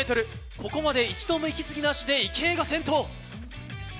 ここまで一度も息継ぎなしで池江が先頭！